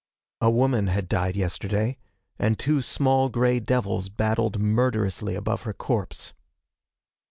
A woman had died yesterday, and two small gray devils battled murderously above her corpse.